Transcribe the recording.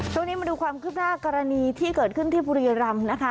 ช่วงนี้มาดูความคืบหน้ากรณีที่เกิดขึ้นที่บรีรัมณ์นะคะ